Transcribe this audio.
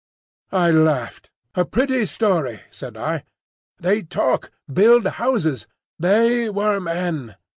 I laughed. "A pretty story," said I. "They talk, build houses. They were men.